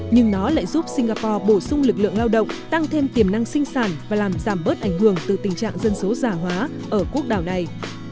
nhưng nó lại giúp singapore bổ sung lực lượng lao động tăng thêm tiềm năng sinh sản và làm giảm bớt ảnh hưởng từ tình trạng dân số giả hóa ở quốc đảo này